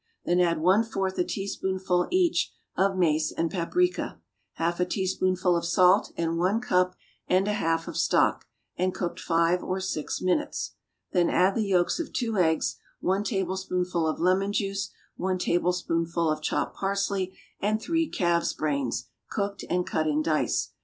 Then add one fourth a teaspoonful, each, of mace and paprica, half a teaspoonful of salt and one cup and a half of stock, and cook five or six minutes. Then add the yolks of two eggs, one tablespoonful of lemon juice, one tablespoonful of chopped parsley and three calves' brains, cooked, and cut in dice.